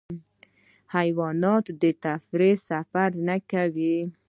حیوانات د تفریح سفر نه کوي.